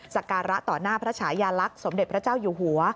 สการะต่อหน้าพระฉายาลักษณ์สมเด็จพระเจ้าอยู่หัว